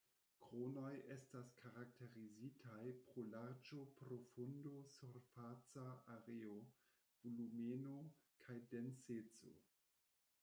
Kronoj estas karakterizitaj pro larĝo, profundo, surfaca areo, volumeno, kaj denseco.